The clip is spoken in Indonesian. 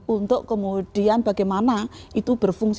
untuk kemudian bagaimana itu berfungsi